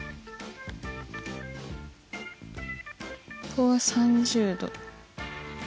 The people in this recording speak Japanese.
ここは３０°。